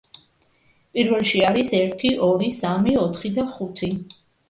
პირველში არის ერთი, ორი, სამი, ოთხი და ხუთი.